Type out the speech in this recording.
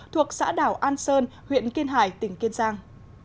thuộc xã đảo an sơn huyện kiên hải tỉnh kiên giang